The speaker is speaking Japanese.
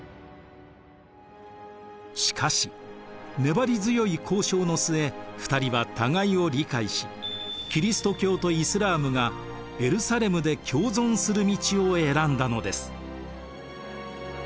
しかし粘り強い交渉の末２人は互いを理解しキリスト教とイスラームがエルサレムで共存する道を選んだのです。